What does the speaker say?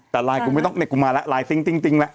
แต่ไลน์กูไม่ต้องเนี่ยกูมาแล้วไลน์ซิงจริงแล้ว